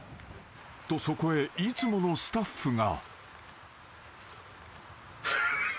［とそこへいつものスタッフが］